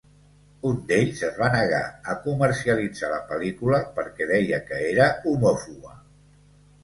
Un d'ells es va negar a comercialitzar la pel·lícula perquè deia que era homòfoba.